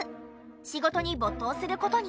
仕事に没頭する事に。